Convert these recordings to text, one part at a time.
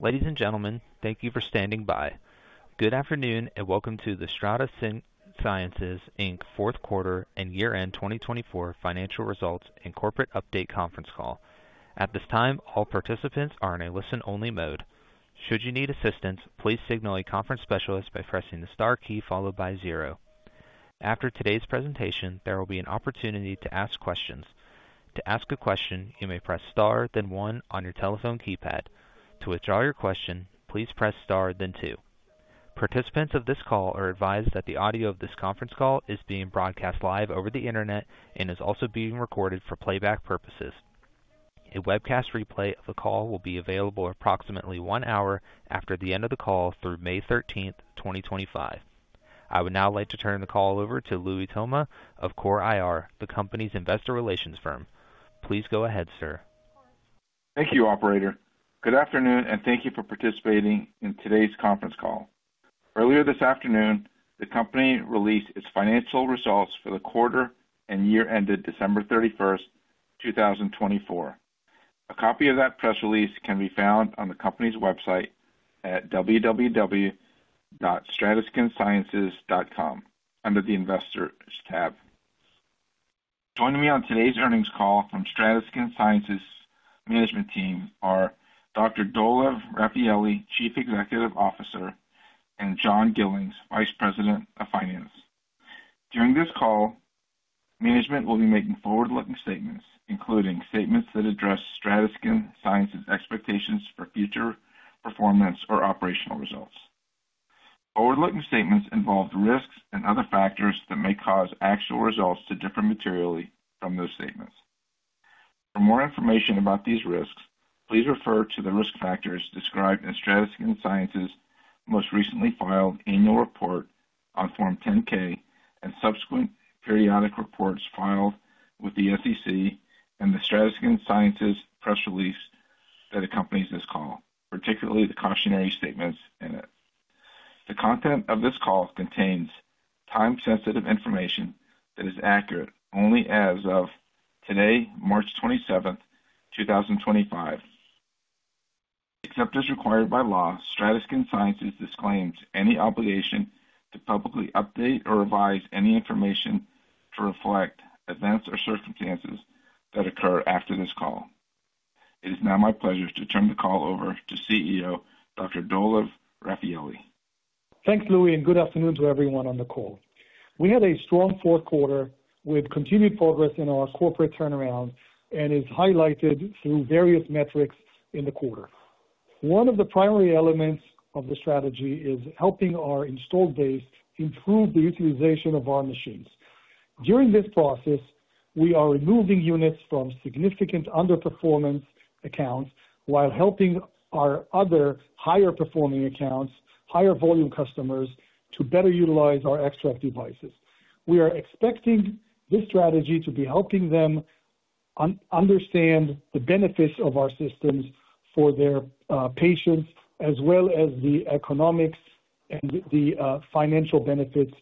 Ladies and gentlemen, thank you for standing by. Good afternoon and welcome to the STRATA Skin Sciences Fourth Quarter and Year End 2024 Financial Results and Corporate Update Conference Call. At this time, all participants are in a listen-only mode. Should you need assistance, please signal a conference specialist by pressing the star key followed by zero. After today's presentation, there will be an opportunity to ask questions. To ask a question, you may press star, then one on your telephone keypad. To withdraw your question, please press star, then two. Participants of this call are advised that the audio of this conference call is being broadcast live over the internet and is also being recorded for playback purposes. A webcast replay of the call will be available approximately one hour after the end of the call through May 13th, 2025. I would now like to turn the call over to Louie Toma of CORE IR, the company's investor relations firm. Please go ahead, sir. Thank you, operator. Good afternoon and thank you for participating in today's conference call. Earlier this afternoon, the company released its financial results for the quarter and year ended December 31, 2024. A copy of that press release can be found on the company's website at www.strataskinsciences.com under the investors tab. Joining me on today's earnings call from STRATA Skin Sciences management team are Dr. Dolev Rafaeli, Chief Executive Officer, and John Gillings, Vice President of Finance. During this call, management will be making forward-looking statements, including statements that address STRATA Skin Sciences' expectations for future performance or operational results. Forward-looking statements involve risks and other factors that may cause actual results to differ materially from those statements. For more information about these risks, please refer to the risk factors described in STRATA Skin Sciences' most recently filed annual report on Form 10-K and subsequent periodic reports filed with the SEC and the STRATA Skin Sciences press release that accompanies this call, particularly the cautionary statements in it. The content of this call contains time-sensitive information that is accurate only as of today, March 27th, 2025. Except as required by law, STRATA Skin Sciences disclaims any obligation to publicly update or revise any information to reflect events or circumstances that occur after this call. It is now my pleasure to turn the call over to CEO Dr. Dolev Rafaeli. Thanks, Louie, and good afternoon to everyone on the call. We had a strong fourth quarter with continued progress in our corporate turnaround and is highlighted through various metrics in the quarter. One of the primary elements of the strategy is helping our installed base improve the utilization of our machines. During this process, we are removing units from significant underperformance accounts while helping our other higher-performing accounts, higher-volume customers, to better utilize our XTRAC devices. We are expecting this strategy to be helping them understand the benefits of our systems for their patients, as well as the economics and the financial benefits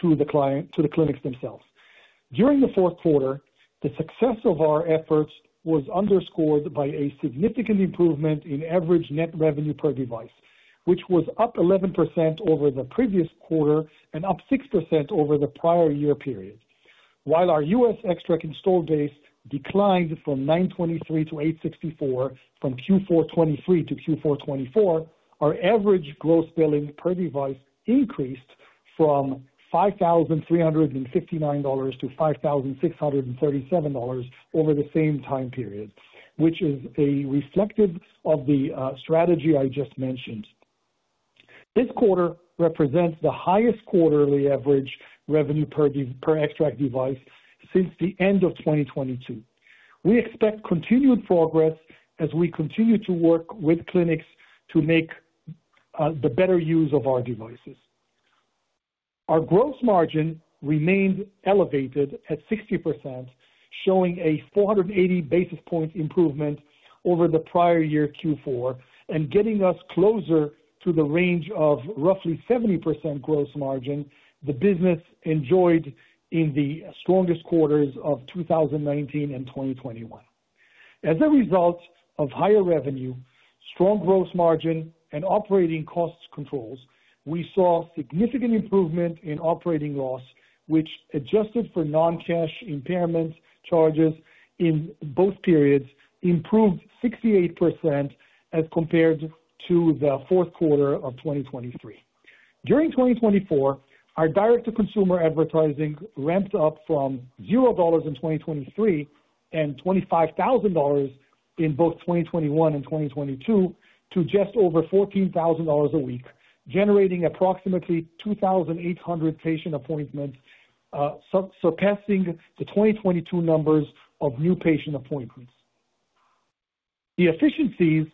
to the clients, to the clinics themselves. During the fourth quarter, the success of our efforts was underscored by a significant improvement in average net revenue per device, which was up 11% over the previous quarter and up 6% over the prior year period. While our US XTRAC installed base declined from 923 to 864 from Q4 2023 to Q4 2024, our average gross billing per device increased from $5,359-$5,637 over the same time period, which is reflective of the strategy I just mentioned. This quarter represents the highest quarterly average revenue per XTRAC device since the end of 2022. We expect continued progress as we continue to work with clinics to make better use of our devices. Our gross margin remained elevated at 60%, showing a 480 basis points improvement over the prior year Q4 and getting us closer to the range of roughly 70% gross margin the business enjoyed in the strongest quarters of 2019 and 2021. As a result of higher revenue, strong gross margin, and operating cost controls, we saw significant improvement in operating loss, which adjusted for non-cash impairment charges in both periods, improved 68% as compared to the fourth quarter of 2023. During 2024, our direct-to-consumer advertising ramped up from $0 in 2023 and $25,000 in both 2021 and 2022 to just over $14,000 a week, generating approximately 2,800 patient appointments, surpassing the 2022 numbers of new patient appointments. The efficiencies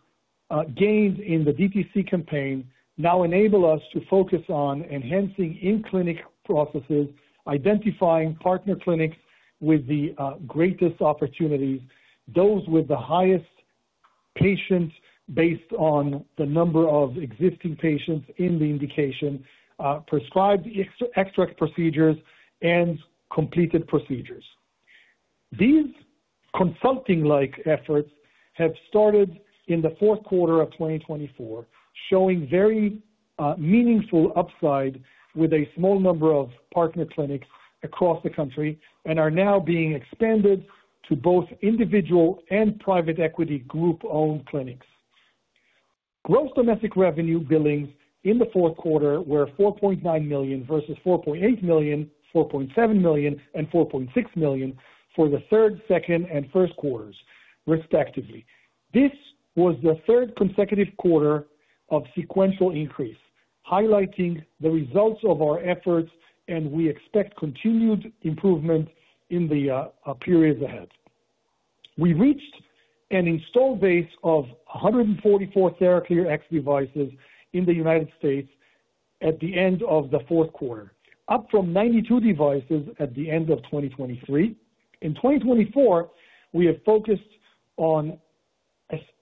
gained in the DTC campaign now enable us to focus on enhancing in-clinic processes, identifying partner clinics with the greatest opportunities, those with the highest patients based on the number of existing patients in the indication, prescribed extract procedures, and completed procedures. These consulting-like efforts have started in the fourth quarter of 2024, showing very meaningful upside with a small number of partner clinics across the country and are now being expanded to both individual and private equity group-owned clinics. Gross domestic revenue billings in the fourth quarter were $4.9 million versus $4.8 million, $4.7 million, and $4.6 million for the third, second, and first quarters, respectively. This was the third consecutive quarter of sequential increase, highlighting the results of our efforts, and we expect continued improvement in the periods ahead. We reached an installed base of 144 TheraClear X devices in the United States at the end of the fourth quarter, up from 92 devices at the end of 2023. In 2024, we have focused on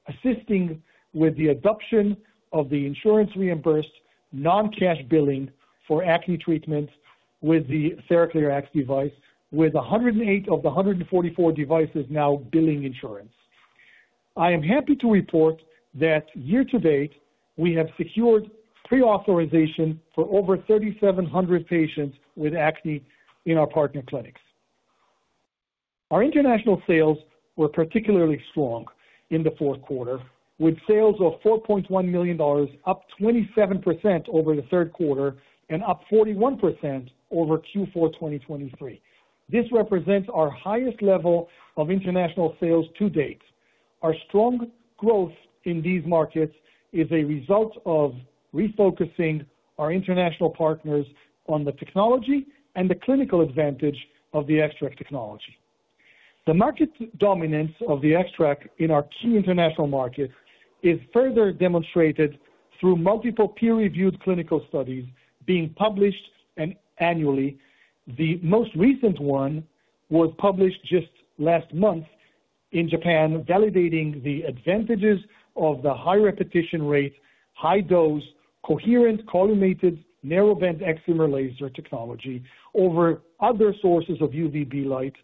assisting with the adoption of the insurance-reimbursed non-cash billing for acne treatments with the TheraClear X device, with 108 of the 144 devices now billing insurance. I am happy to report that year to-date, we have secured pre-authorization for over 3,700 patients with acne in our partner clinics. Our international sales were particularly strong in the fourth quarter, with sales of $4.1 million, up 27% over the third quarter and up 41% over Q4 2023. This represents our highest level of international sales to date. Our strong growth in these markets is a result of refocusing our international partners on the technology and the clinical advantage of the XTRAC technology. The market dominance of the XTRAC in our key international markets is further demonstrated through multiple peer-reviewed clinical studies being published annually. The most recent one was published just last month in Japan, validating the advantages of the high repetition rate, high-dose, coherent collimated narrowband Excimer laser technology over other sources of UVB light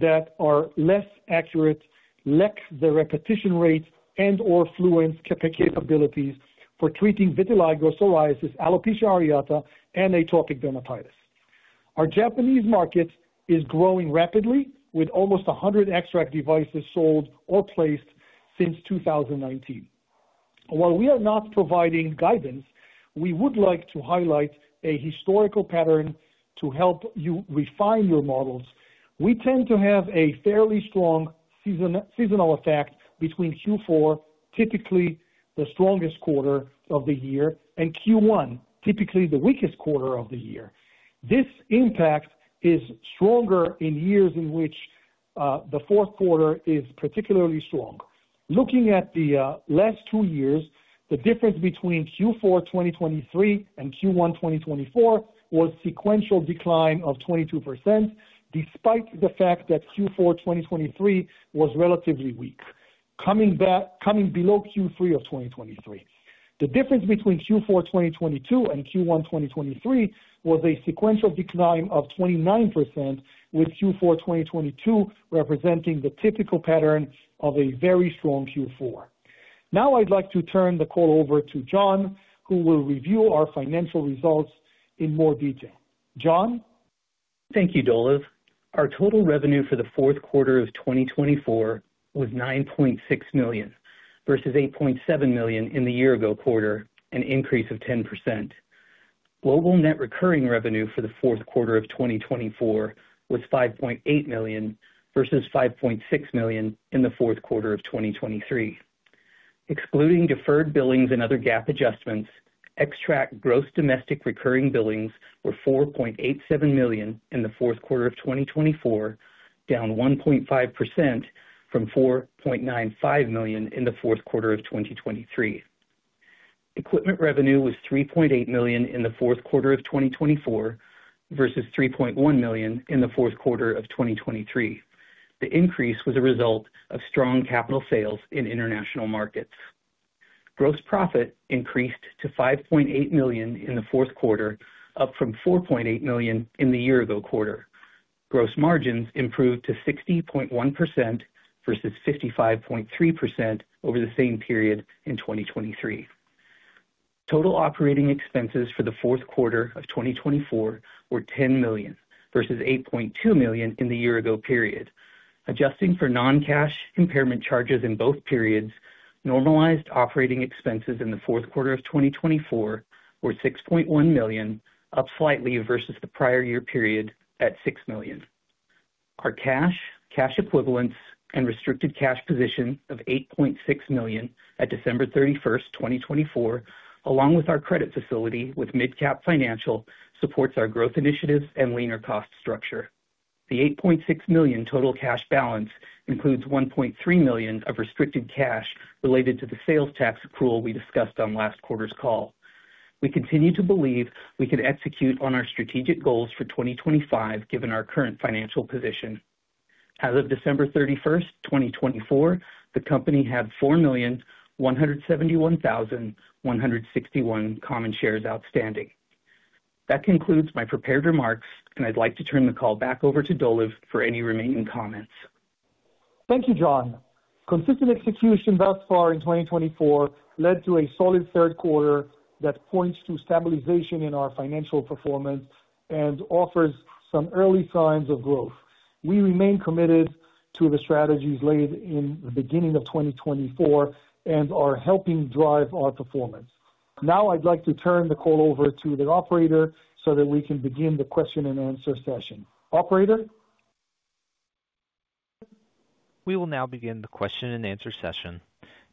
that are less accurate, lack the repetition rate and/or fluence capabilities for treating vitiligo, psoriasis, alopecia areata, and atopic dermatitis. Our Japanese market is growing rapidly, with almost 100 XTRAC devices sold or placed since 2019. While we are not providing guidance, we would like to highlight a historical pattern to help you refine your models. We tend to have a fairly strong seasonal effect between Q4, typically the strongest quarter of the year, and Q1, typically the weakest quarter of the year. This impact is stronger in years in which the fourth quarter is particularly strong. Looking at the last two years, the difference between Q4 2023 and Q1 2024 was sequential decline of 22%, despite the fact that Q4 2023 was relatively weak, coming below Q3 of 2023. The difference between Q4 2022 and Q1 2023 was a sequential decline of 29%, with Q4 2022 representing the typical pattern of a very strong Q4. Now I'd like to turn the call over to John, who will review our financial results in more detail. John. Thank you, Dolev. Our total revenue for the fourth quarter of 2024 was $9.6 million versus $8.7 million in the year-ago quarter, an increase of 10%. Global net recurring revenue for the fourth quarter of 2024 was $5.8 million versus $5.6 million in the fourth quarter of 2023. Excluding deferred billings and other GAAP adjustments, XTRAC gross domestic recurring billings were $4.87 million in the fourth quarter of 2024, down 1.5% from $4.95 million in the fourth quarter of 2023. Equipment revenue was $3.8 million in the fourth quarter of 2024 versus $3.1 million in the fourth quarter of 2023. The increase was a result of strong capital sales in international markets. Gross profit increased to $5.8 million in the fourth quarter, up from $4.8 million in the year-ago quarter. Gross margins improved to 60.1% versus 55.3% over the same period in 2023. Total operating expenses for the fourth quarter of 2024 were $10 million versus $8.2 million in the year-ago period. Adjusting for non-cash impairment charges in both periods, normalized operating expenses in the fourth quarter of 2024 were $6.1 million, up slightly versus the prior year period at $6 million. Our cash, cash equivalents, and restricted cash position of $8.6 million at December 31st, 2024, along with our credit facility with MidCap Financial, supports our growth initiatives and leaner cost structure. The $8.6 million total cash balance includes $1.3 million of restricted cash related to the sales tax accrual we discussed on last quarter's call. We continue to believe we can execute on our strategic goals for 2025, given our current financial position. As of December 31st, 2024, the company had 4,171,161 common shares outstanding. That concludes my prepared remarks, and I'd like to turn the call back over to Dolev for any remaining comments. Thank you, John. Consistent execution thus far in 2024 led to a solid third quarter that points to stabilization in our financial performance and offers some early signs of growth. We remain committed to the strategies laid in the beginning of 2024 and are helping drive our performance. Now I'd like to turn the call over to the operator so that we can begin the question-and-answer session. Operator. We will now begin the question-and-answer session.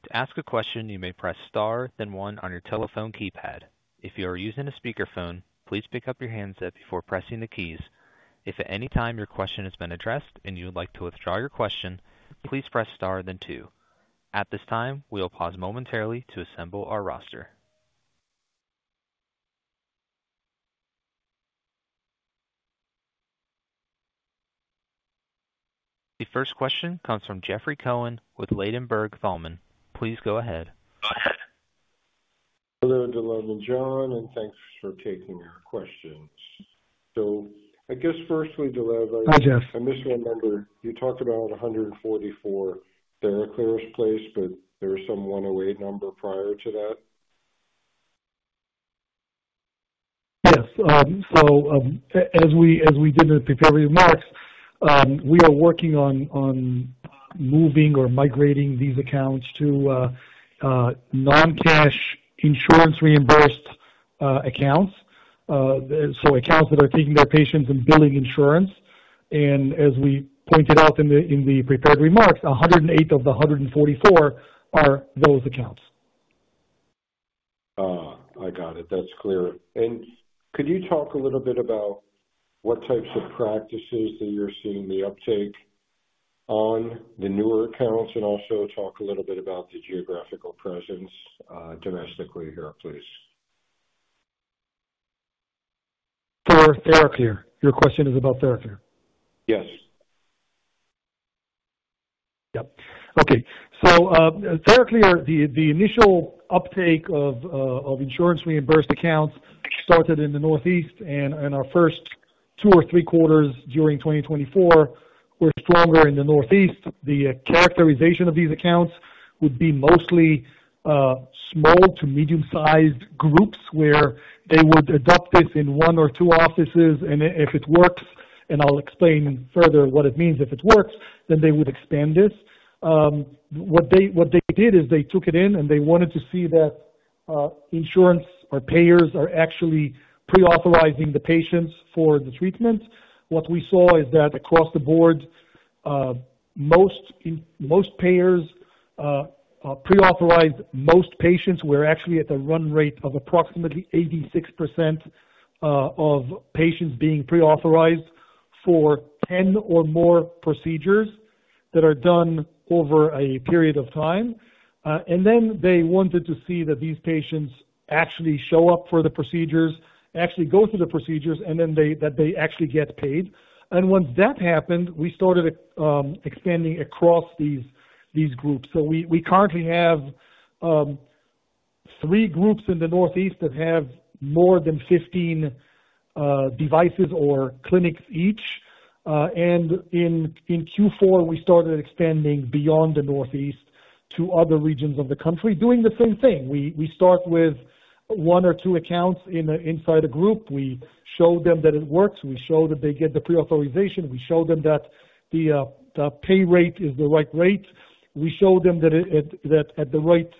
To ask a question, you may press star, then one on your telephone keypad. If you are using a speakerphone, please pick up your handset before pressing the keys. If at any time your question has been addressed and you would like to withdraw your question, please press star, then two. At this time, we will pause momentarily to assemble our roster. The first question comes from Jeffrey Cohen with Ladenburg Thalmann. Please go ahead. Go ahead. Hello, Dolev and John, and thanks for taking our questions. I guess firstly, Dolev, I misremembered. You talked about 144 TheraClear X's place, but there was some 108 number prior to that. Yes. As we did in the prepared remarks, we are working on moving or migrating these accounts to non-cash insurance-reimbursed accounts, so accounts that are taking their patients and billing insurance. As we pointed out in the prepared remarks, 108 of the 144 are those accounts. I got it. That's clear. Could you talk a little bit about what types of practices that you're seeing the uptake on the newer accounts and also talk a little bit about the geographical presence domestically here, please? For TheraClear X, your question is about TheraClear X? Yes. Yep. Okay. TheraClear X, the initial uptake of insurance-reimbursed accounts started in the Northeast, and our first two or three quarters during 2024 were stronger in the Northeast. The characterization of these accounts would be mostly small to medium-sized groups where they would adopt this in one or two offices, and if it works, and I'll explain further what it means if it works, then they would expand this. What they did is they took it in, and they wanted to see that insurance or payers are actually pre-authorizing the patients for the treatment. What we saw is that across the board, most payers pre-authorized most patients were actually at the run rate of approximately 86% of patients being pre-authorized for 10 or more procedures that are done over a period of time. They wanted to see that these patients actually show up for the procedures, actually go through the procedures, and then that they actually get paid. Once that happened, we started expanding across these groups. We currently have three groups in the Northeast that have more than 15 devices or clinics each. In Q4, we started expanding beyond the Northeast to other regions of the country, doing the same thing. We start with one or two accounts inside a group. We show them that it works. We show that they get the pre-authorization. We show them that the pay rate is the right rate. We show them that at the right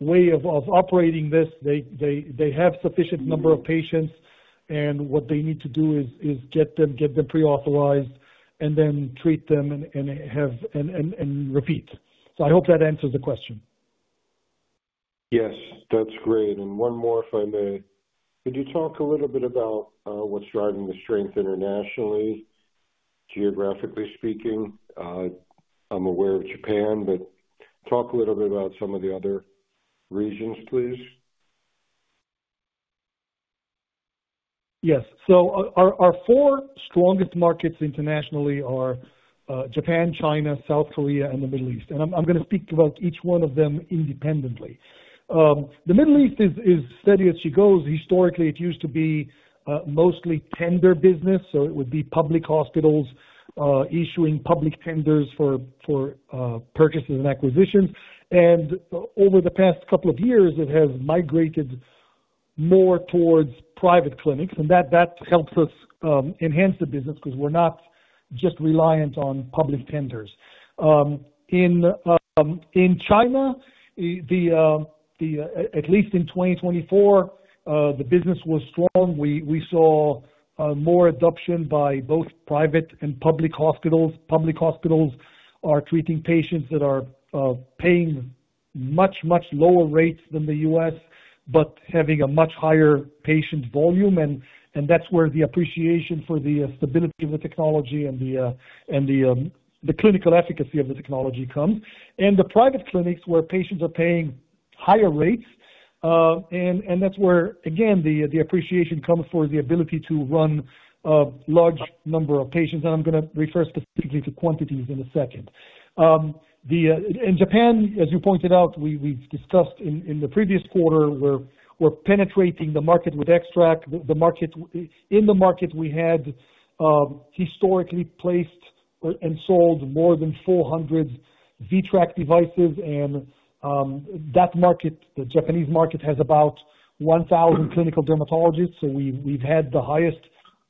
way of operating this, they have a sufficient number of patients, and what they need to do is get them pre-authorized and then treat them and repeat. I hope that answers the question. Yes, that's great. One more, if I may. Could you talk a little bit about what's driving the strength internationally, geographically speaking? I'm aware of Japan, but talk a little bit about some of the other regions, please. Yes. Our four strongest markets internationally are Japan, China, South Korea, and the Middle East. I'm going to speak about each one of them independently. The Middle East is steady as she goes. Historically, it used to be mostly tender business, so it would be public hospitals issuing public tenders for purchases and acquisitions. Over the past couple of years, it has migrated more towards private clinics, and that helps us enhance the business because we're not just reliant on public tenders. In China, at least in 2024, the business was strong. We saw more adoption by both private and public hospitals. Public hospitals are treating patients that are paying much, much lower rates than the U.S., but having a much higher patient volume. That's where the appreciation for the stability of the technology and the clinical efficacy of the technology comes. The private clinics where patients are paying higher rates, and that's where, again, the appreciation comes for the ability to run a large number of patients. I'm going to refer specifically to quantities in a second. In Japan, as you pointed out, we've discussed in the previous quarter we're penetrating the market with XTRAC. In the market, we had historically placed and sold more than 400 VTRAC devices, and that market, the Japanese market, has about 1,000 clinical dermatologists. We've had the highest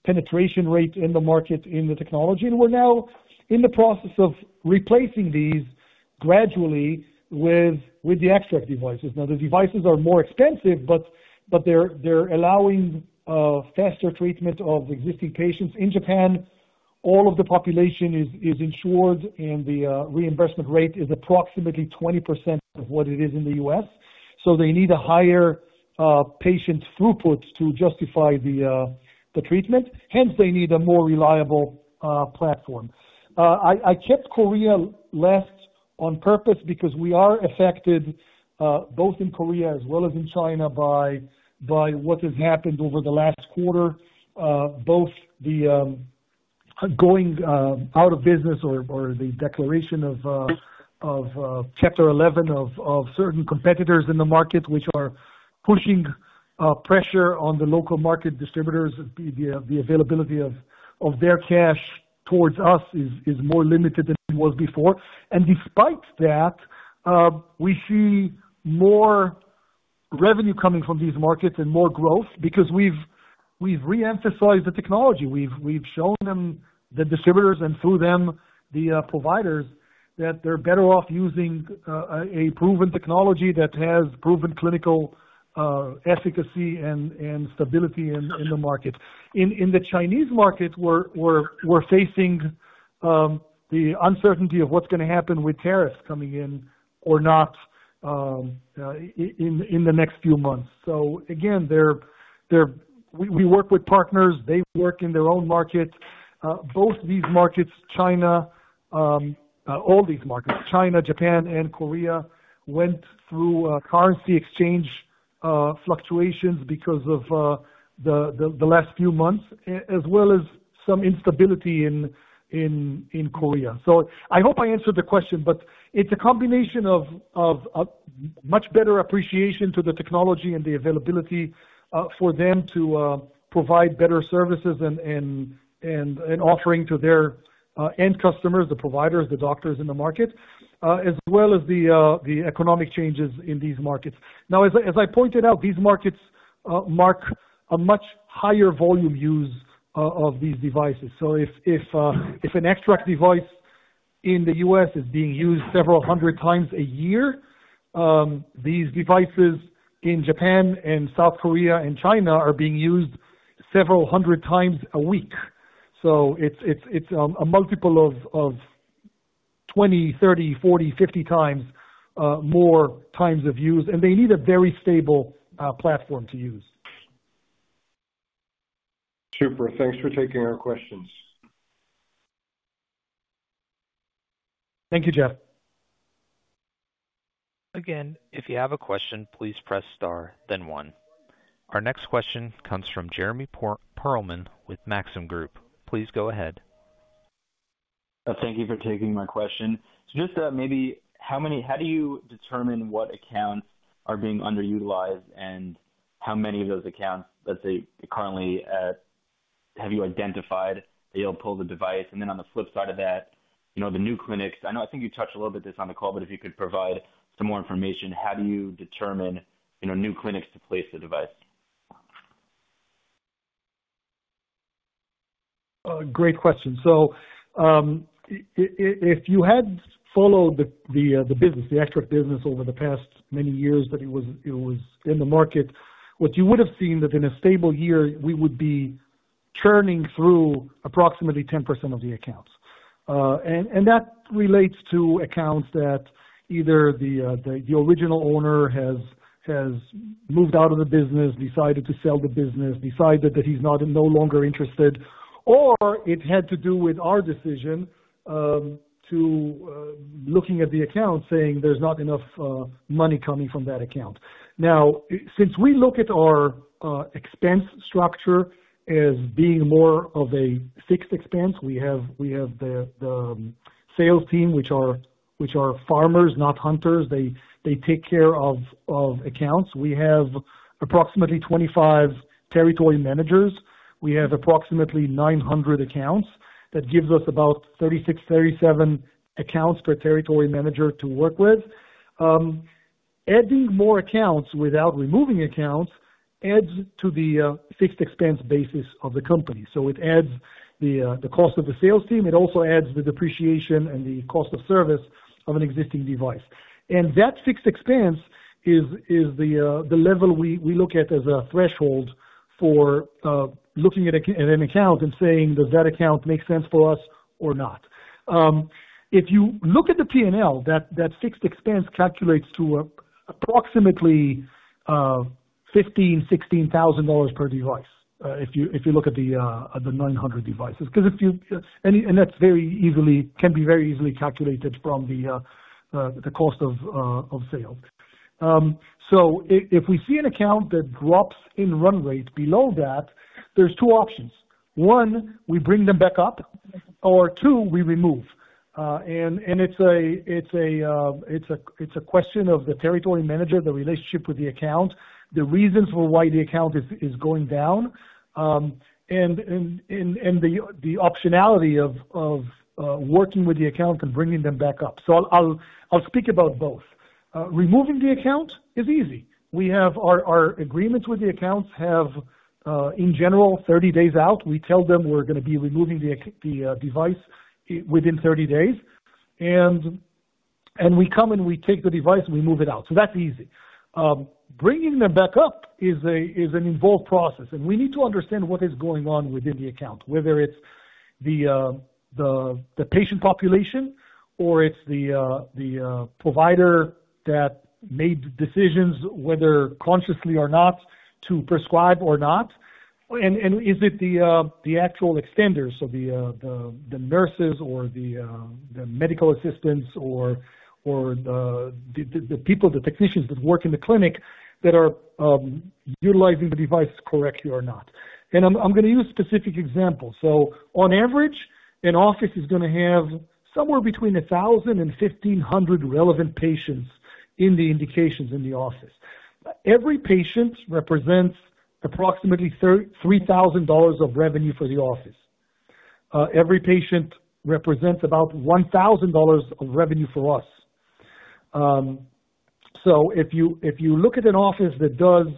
penetration rate in the market in the technology, and we're now in the process of replacing these gradually with the XTRAC devices. The devices are more expensive, but they're allowing faster treatment of existing patients. In Japan, all of the population is insured, and the reimbursement rate is approximately 20% of what it is in the U.S. They need a higher patient throughput to justify the treatment. Hence, they need a more reliable platform. I kept Korea last on purpose because we are affected both in Korea as well as in China by what has happened over the last quarter, both the going out of business or the declaration of Chapter 11 of certain competitors in the market, which are pushing pressure on the local market distributors. The availability of their cash towards us is more limited than it was before. Despite that, we see more revenue coming from these markets and more growth because we've reemphasized the technology. We've shown them, the distributors, and through them the providers, that they're better off using a proven technology that has proven clinical efficacy and stability in the market. In the Chinese market, we're facing the uncertainty of what's going to happen with tariffs coming in or not in the next few months. We work with partners. They work in their own markets. Both these markets, China, all these markets, China, Japan, and Korea went through currency exchange fluctuations because of the last few months, as well as some instability in Korea. I hope I answered the question, but it's a combination of much better appreciation to the technology and the availability for them to provide better services and offering to their end customers, the providers, the doctors in the market, as well as the economic changes in these markets. Now, as I pointed out, these markets mark a much higher volume use of these devices. If an XTRAC device in the U.S. is being used several hundred times a year, these devices in Japan and South Korea and China are being used several hundred times a week. It is a multiple of 20, 30, 40, 50 times more times of use, and they need a very stable platform to use. Super. Thanks for taking our questions. Thank you, Jeff. Again, if you have a question, please press star, then one. Our next question comes from Jeremy Pearlman with Maxim Group. Please go ahead. Thank you for taking my question. Just maybe how do you determine what accounts are being underutilized and how many of those accounts, let's say, currently have you identified that you'll pull the device? On the flip side of that, the new clinics, I think you touched a little bit of this on the call, but if you could provide some more information, how do you determine new clinics to place the device? Great question. If you had followed the business, the XTRAC business over the past many years that it was in the market, what you would have seen that in a stable year, we would be churning through approximately 10% of the accounts. That relates to accounts that either the original owner has moved out of the business, decided to sell the business, decided that he's no longer interested, or it had to do with our decision to looking at the account saying there's not enough money coming from that account. Now, since we look at our expense structure as being more of a fixed expense, we have the sales team, which are farmers, not hunters. They take care of accounts. We have approximately 25 territory managers. We have approximately 900 accounts. That gives us about 36, 37 accounts per territory manager to work with. Adding more accounts without removing accounts adds to the fixed expense basis of the company. It adds the cost of the sales team. It also adds the depreciation and the cost of service of an existing device. That fixed expense is the level we look at as a threshold for looking at an account and saying, "Does that account make sense for us or not?" If you look at the P&L, that fixed expense calculates to approximately $15,000-$16,000 per device if you look at the 900 devices. That can be very easily calculated from the cost of sales. If we see an account that drops in run rate below that, there are two options. One, we bring them back up, or two, we remove. It is a question of the territory manager, the relationship with the account, the reasons for why the account is going down, and the optionality of working with the account and bringing them back up. I'll speak about both. Removing the account is easy. Our agreements with the accounts have, in general, 30 days out. We tell them we are going to be removing the device within 30 days, and we come and we take the device and we move it out. That is easy. Bringing them back up is an involved process, and we need to understand what is going on within the account, whether it is the patient population or it is the provider that made decisions, whether consciously or not, to prescribe or not. Is it the actual extenders, so the nurses or the medical assistants or the people, the technicians that work in the clinic that are utilizing the device correctly or not? I'm going to use specific examples. On average, an office is going to have somewhere between 1,000 and 1,500 relevant patients in the indications in the office. Every patient represents approximately $3,000 of revenue for the office. Every patient represents about $1,000 of revenue for us. If you look at an office that does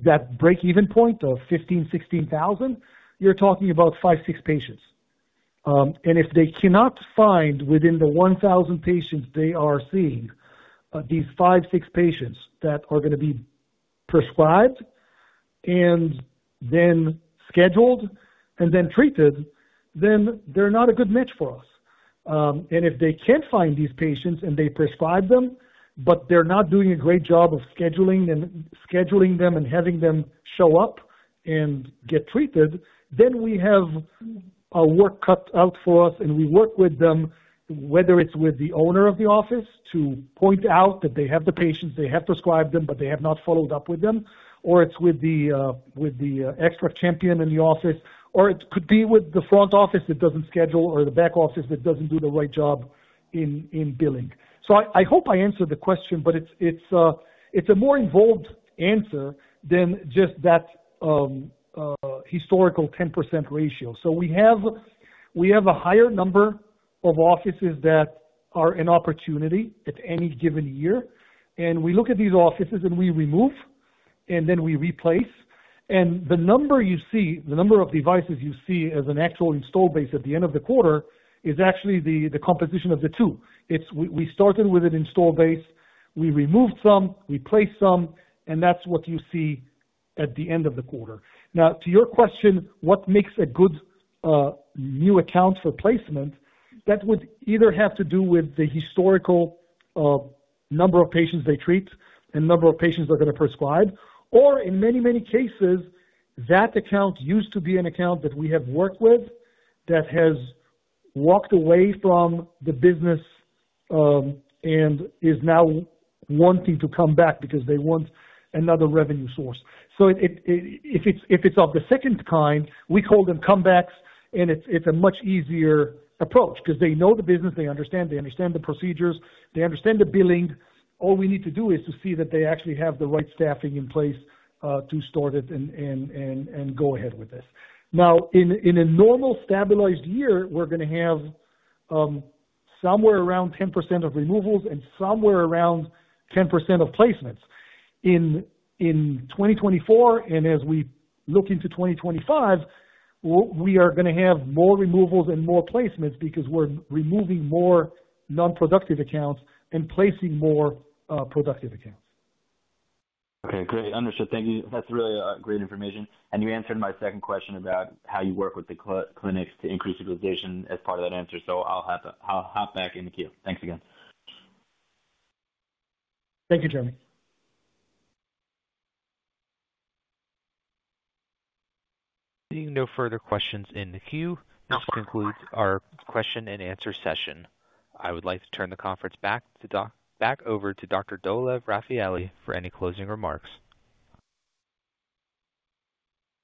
that break-even point of $15,000-$16,000, you're talking about five, six patients. If they cannot find within the 1,000 patients they are seeing these five, six patients that are going to be prescribed and then scheduled and then treated, then they're not a good match for us. If they can't find these patients and they prescribe them, but they're not doing a great job of scheduling them and having them show up and get treated, we have a work cut out for us, and we work with them, whether it's with the owner of the office to point out that they have the patients, they have prescribed them, but they have not followed up with them, or it's with the XTRAC champion in the office, or it could be with the front office that doesn't schedule or the back office that doesn't do the right job in billing. I hope I answered the question, but it's a more involved answer than just that historical 10% ratio. We have a higher number of offices that are an opportunity at any given year, and we look at these offices and we remove, and then we replace. The number you see, the number of devices you see as an actual install base at the end of the quarter is actually the composition of the two. We started with an install base, we removed some, we placed some, and that's what you see at the end of the quarter. Now, to your question, what makes a good new account for placement, that would either have to do with the historical number of patients they treat and number of patients they're going to prescribe, or in many, many cases, that account used to be an account that we have worked with that has walked away from the business and is now wanting to come back because they want another revenue source. If it is of the second kind, we call them comebacks, and it is a much easier approach because they know the business, they understand the procedures, they understand the billing. All we need to do is to see that they actually have the right staffing in place to start it and go ahead with it. Now, in a normal stabilized year, we are going to have somewhere around 10% of removals and somewhere around 10% of placements. In 2024, and as we look into 2025, we are going to have more removals and more placements because we are removing more non-productive accounts and placing more productive accounts. Okay. Understood. Thank you. That's really great information. You answered my second question about how you work with the clinics to increase utilization as part of that answer. I'll hop back in the queue. Thanks again. Thank you, Jeremy. Seeing no further questions in the queue, this concludes our question-and-answer session. I would like to turn the conference back over to Dr. Dolev Rafaeli for any closing remarks.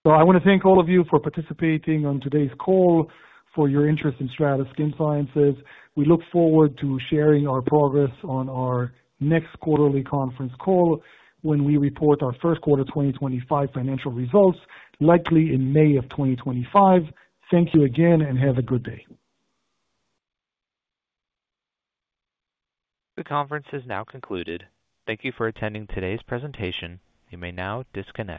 I want to thank all of you for participating on today's call, for your interest in STRATA Skin Sciences. We look forward to sharing our progress on our next quarterly conference call when we report our first quarter 2025 financial results, likely in May of 2025. Thank you again and have a good day. The conference has now concluded. Thank you for attending today's presentation. You may now disconnect.